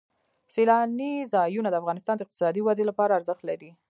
سیلانی ځایونه د افغانستان د اقتصادي ودې لپاره ارزښت لري.